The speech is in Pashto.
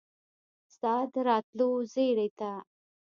ستا د راتلو زیري ته